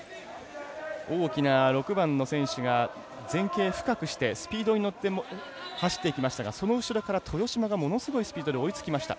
大きな６番の選手が前傾、深くしてスピードに乗って走っていきましたがその後ろから豊島がものすごいスピードで追いつきました。